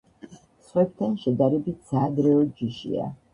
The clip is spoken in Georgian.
სხვებთან შედარებით საადრეო ჯიშია.